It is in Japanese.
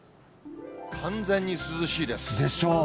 完全に涼しいです。でしょ？